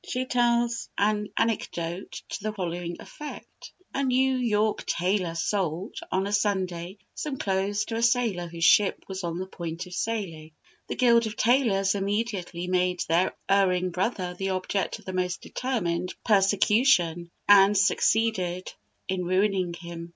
She tells an anecdote to the following effect: A New York tailor sold, on a Sunday, some clothes to a sailor whose ship was on the point of sailing. The Guild of Tailors immediately made their erring brother the object of the most determined persecution, and succeeded in ruining him.